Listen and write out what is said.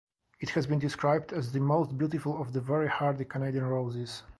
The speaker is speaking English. It has been described as the "most beautiful of the very hardy Canadian roses".